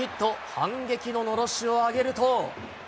反撃ののろしを上げると。